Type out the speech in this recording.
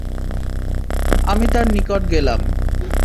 আমি তার নিকট গেলাম।